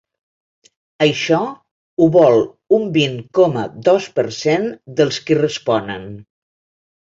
Així ho vol un vint coma dos per cent dels qui responen.